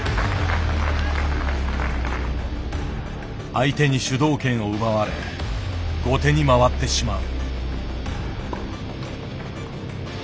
相手に主導権を奪われ後手に回ってしまう。